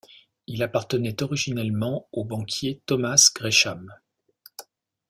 Il appartenait originellement au banquier Thomas Gresham.